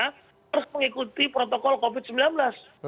harus mengikuti protokol covid sembilan belas